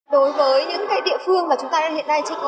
đối với những cái địa phương mà chúng ta đang hiện nay